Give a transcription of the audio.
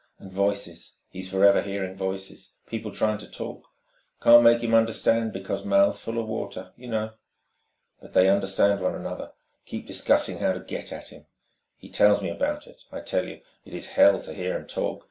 And voices he's forever hearing voices ... people trying to talk, 'can't make him understand because 'mouths 'full of water, you know. But they understand one another, keep discussing how to get at him.... He tells me about it ... I tell you, it is Hell to hear him talk